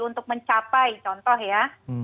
untuk mencapai contoh ya